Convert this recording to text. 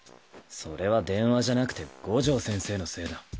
それは電話じゃなくて五条先生のせいだ。